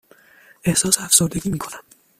احساس افسردگی می کنم.